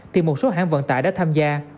thì một số hãng vận tải đã tham gia